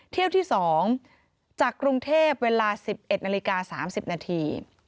เที่ยวที่๒จากกรุงเทพเวลา๑๑นาฬิกา๓๐นาที